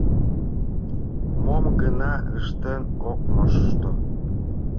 — Мом гына ыштен ок мошто!